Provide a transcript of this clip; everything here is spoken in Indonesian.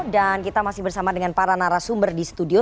dan kita masih bersama para narasumber di studio